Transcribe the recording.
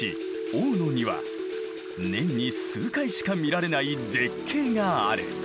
大野には年に数回しか見られない絶景がある。